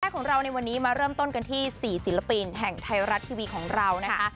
ของเราในวันนี้มาเริ่มต้นกันที่๔ศิลปินแห่งไทยรัฐทีวีของเรานะคะ